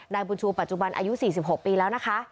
นายบุญชูปัจจุบันอายุ๔๖ปีแล้วนะคะ